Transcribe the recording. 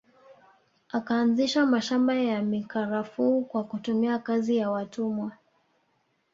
Akaanzisha mashamba ya mikarafuu kwa kutumia kazi ya watumwa